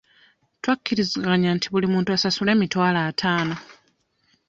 Twakkirizigannya nti buli muntu asasule emitwalo ataano.